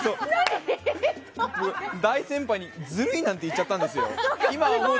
大先輩に、ずるいなんて言っちゃったんですよ。